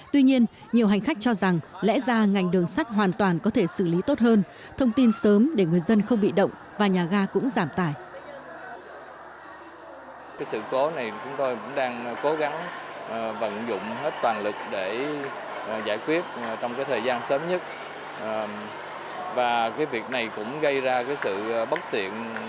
tuy nhiên nhiều hành khách cho rằng lẽ ra ngành đường sắt hoàn toàn có thể xử lý tốt hơn thông tin sớm để người dân không bị động và nhà ga cũng giảm tải